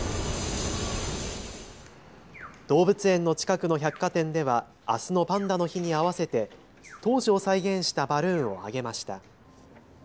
動物園の近くの百貨店ではあすのパンダの日に合わせて当時を再現したバルーンを上げました。